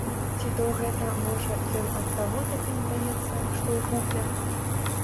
Ці то гэта, можа, ён ад таго такім здаецца, што ў куфлях?!.